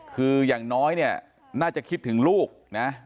คืออย่างน้อยเนี่ยน่าจะคิดถึงลูกนะ